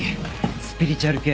スピリチュアル系？